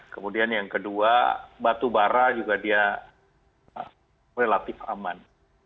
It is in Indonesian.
kemudian yang kedua batu bara juga dia relatif aman